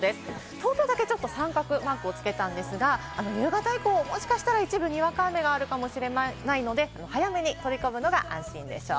東京だけ三角マークを付けたんですが、夕方以降、もしかしたら一部でにわか雨があるかもしれないので、早めに取り込むのが安心でしょう。